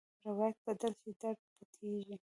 روایت بدل شي، درد پټېږي.